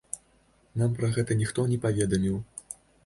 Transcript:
Нам пра гэта ніхто не паведаміў.